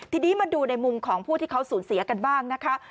ทีนี้มาดูในมุมของผู้ที่เขาสูญเสียกันบ้างนะคะ